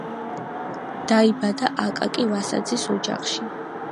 დაიბადა აკაკი ვასაძის ოჯახში.